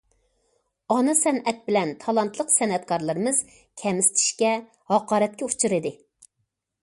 ئانا سەنئەت بىلەن تالانتلىق سەنئەتكارلىرىمىز كەمسىتىشكە، ھاقارەتكە ئۇچرىدى.